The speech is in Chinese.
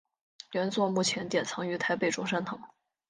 原作目前典藏于台北中山堂。